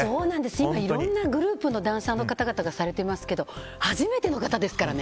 今、いろんなグループのダンサーの方がされていますが初めての方ですからね。